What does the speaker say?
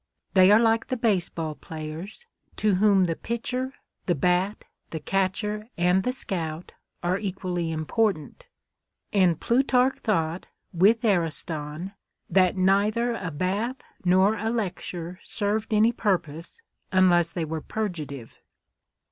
They are like the base ball players, to whom the pitcher, the bat, the catcher, and the scout are equally important. And Plutarch thought, with Ariston, " that neither a bath nor a lecture served any purpose, unless they were purgative."